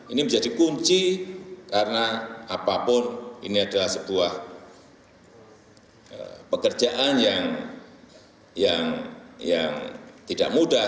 ini menjadi kunci karena apapun ini adalah sebuah pekerjaan yang tidak mudah